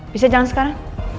bisa jalan sekarang